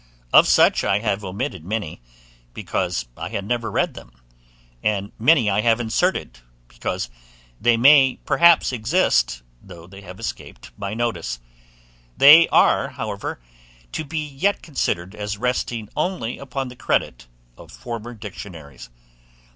Of such I have omitted many, because I had never read them; and many I have inserted, because they may perhaps exist, though they have escaped my notice: they are, however, to be yet considered as resting only upon the credit of former dictionaries.